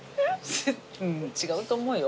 うん違うと思うよ。